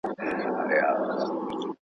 که نجونې انتقاد وکړي نو اصلاح به نه ځنډېږي.